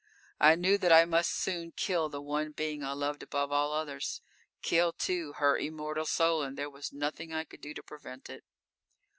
I knew that I must soon kill the one being I loved above all others, kill, too, her immortal soul, and there was nothing I could do to prevent it.